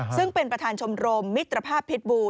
ซึ่งเป็นประธานชมรมมิตรภาพพิษบู